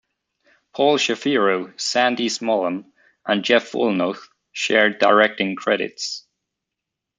Paul Shapiro, Sandy Smolan, and Jeff Woolnough shared directing credits.